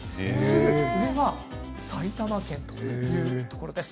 お隣は埼玉県というところです。